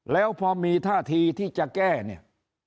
แล้วพอมีท่าทีที่จะแก้เนี่ย